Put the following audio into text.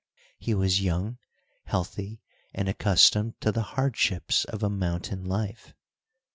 He was young, healthy, and accustomed to the hardships of a mountain life.